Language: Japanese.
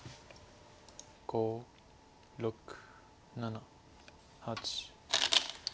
５６７８。